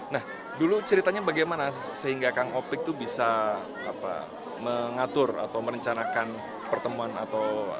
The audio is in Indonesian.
nah dulu ceritanya bagaimana sehingga kang opik itu bisa mengatur atau merencanakan pertemuan atau